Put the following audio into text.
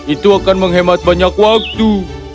itu akan menghemat banyak waktu